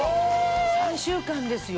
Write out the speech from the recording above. ３週間ですよ。